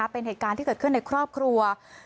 เป็นเหตุการณ์ที่เกิดขึ้นในครอบครัว